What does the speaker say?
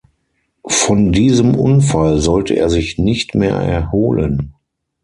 Von diesem Unfall sollte er sich nicht mehr erholen.